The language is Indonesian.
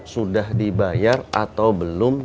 sudah dibayar atau belum